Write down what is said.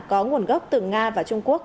có nguồn gốc từ nga và trung quốc